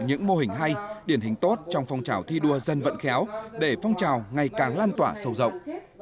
những mô hình hay điển hình tốt trong phong trào thi đua dân vận khéo để phong trào ngày càng lan tỏa sâu rộng